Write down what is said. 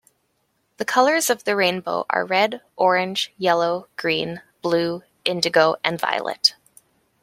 The colours of the rainbow are red, orange, yellow, green, blue, indigo, and violet.